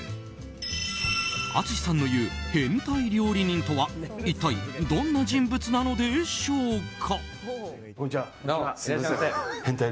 淳さんの言う変態料理人とは一体どんな人物なのでしょうか。